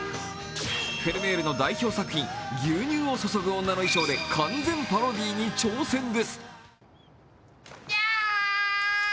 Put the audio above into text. フェルメールの代表作品「牛乳を注ぐ女」の衣装で完全パロディーに挑戦です。